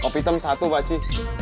kopi tem satu pakci